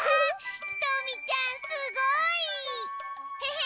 ひとみちゃんすごい！へへ！